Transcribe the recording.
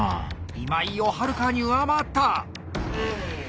今井をはるかに上回った！